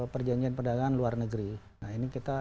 perjanjian perdagangan luar negeri nah ini kita